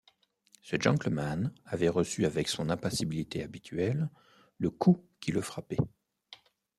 Ce gentleman avait reçu avec son impassibilité habituelle le coup qui le frappait.